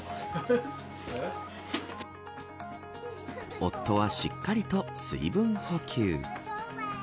夫はしっかりと水分補給。